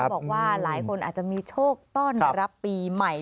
บอกว่าหลายคนอาจจะมีโชคต้อนรับปีใหม่